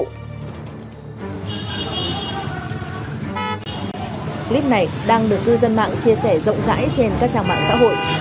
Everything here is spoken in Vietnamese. clip này đang được cư dân mạng chia sẻ rộng rãi trên các trang mạng xã hội